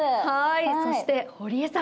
そして堀江さん